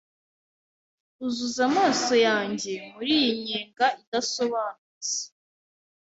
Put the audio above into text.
Uzuza amaso yanjye muri iyi nyenga idasobanutse